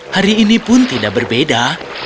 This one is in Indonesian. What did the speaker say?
hari ini pun tidak berbeda